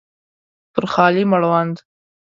پر خالي مړوند